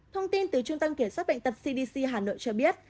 thông tin từ trung tâm kiểm soát bệnh tật cdc hà nội cho biết